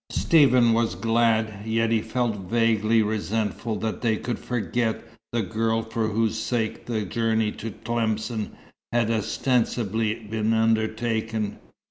Stephen was glad, yet he felt vaguely resentful that they could forget the girl for whose sake the journey to Tlemcen had ostensibly been undertaken.